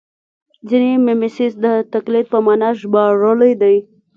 ځینې میمیسیس د تقلید په مانا ژباړلی دی